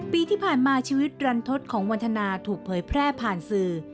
ปีที่ผ่านมาชีวิตรันทศของวันธนาถูกเผยแพร่ผ่านสื่อ